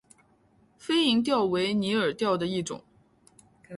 飞蝇钓为拟饵钓的一种。